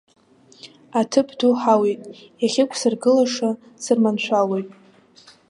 Аҭыԥ ду ҳауеит, иахьықәсыргылаша сырманшәалоит.